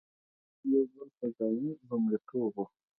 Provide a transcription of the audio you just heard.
چې دا هم یو بل فضايي لومړیتوب و.